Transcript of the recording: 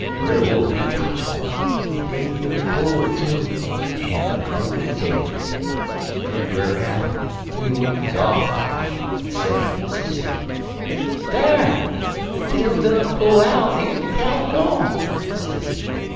Brer Wolf, he kotch holt, en dey 'gin a pull er two en up come de tail. Den Brer Rabbit, he wink his off eye en say, sezee: "'Dar! de tail done pull out en de cow gone,' sezee.